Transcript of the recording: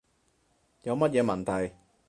有乜嘢問題